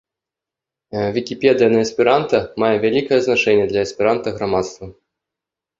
Вікіпедыя на эсперанта мае вялікае значэнне для эсперанта-грамадства.